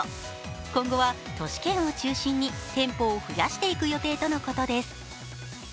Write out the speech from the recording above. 今後は、都市圏を中心に店舗を増やしていく予定とのことです。